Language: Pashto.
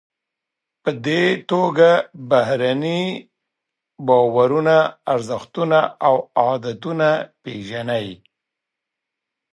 په دې توګه بهرني باورونه، ارزښتونه او عادتونه پیژنئ.